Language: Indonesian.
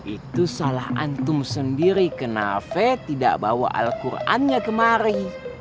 itu salah antum sendiri kenapa ve tidak bawa al qurannya kemari